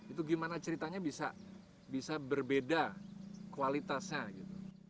itu gimana ceritanya bisa berbeda kualitasnya gitu